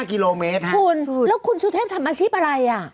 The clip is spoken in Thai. กิโลเมตรฮะคุณแล้วคุณสุเทพทำอาชีพอะไรอ่ะ